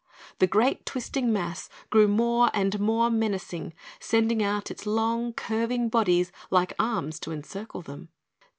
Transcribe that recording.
The great twisting mass grew more and more menacing, sending out its long curving bodies like arms to encircle them.